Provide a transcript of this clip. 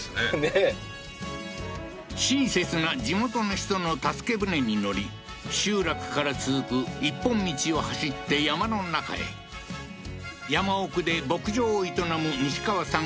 親切な地元の人の助け舟に乗り集落から続く一本道を走って山の中へ山奥で牧場を営むニシカワさん